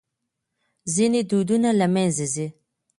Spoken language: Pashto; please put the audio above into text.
ځينې دودونه له منځه ځي.